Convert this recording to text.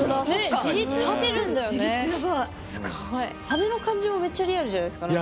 羽の感じもめっちゃリアルじゃないですか？